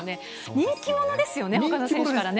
人気者ですよね、ほかの選手からね。